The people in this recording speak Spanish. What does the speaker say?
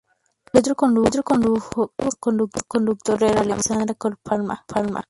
El otro conductor era una mujer, Alejandrina Cox Palma.